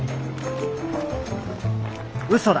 うそだ。